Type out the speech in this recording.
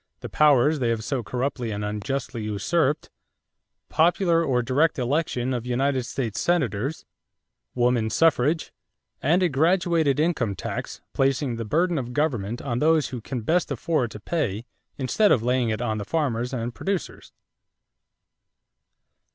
the powers they have so corruptly and unjustly usurped"; popular or direct election of United States Senators; woman suffrage; and a graduated income tax, "placing the burden of government on those who can best afford to pay instead of laying it on the farmers and producers."